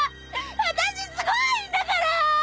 私すごいんだからぁ！